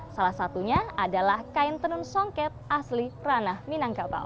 salah satunya adalah kain tenun songket asli ranah minangkabau